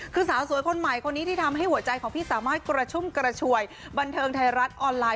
คือสาวสวยคนใหม่คนนี้ที่ทำให้หัวใจของพี่สามารถกระชุ่มกระชวยบันเทิงไทยรัฐออนไลน